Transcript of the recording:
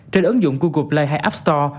trên ứng dụng google play hay app store